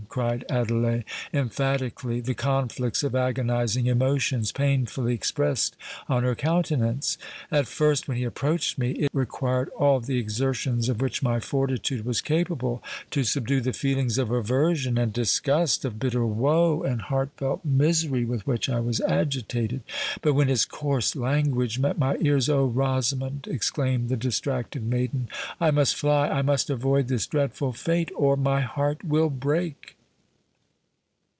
cried Adelais, emphatically, the conflicts of agonising emotions painfully expressed on her countenance. "At first—when he approached me—it required all the exertions of which my fortitude was capable to subdue the feelings of aversion and disgust—of bitter woe and heart felt misery—with which I was agitated;—but when his coarse language met my ears——Oh! Rosamond!" exclaimed the distracted maiden, "I must fly—I must avoid this dreadful fate—or my heart will break!"